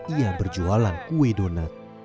ia berjualan kue donat